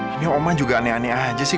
ini oma juga aneh aneh aja sih